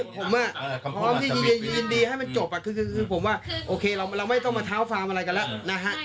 ผมพร้อมที่ยินดีให้มันจบคือผมว่าโอเคเราไม่ต้องมาเท้าฟาร์มอะไรกันแล้วนะฮะ